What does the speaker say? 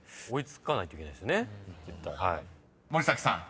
［森崎さん